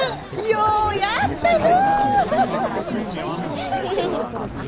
ようやったな！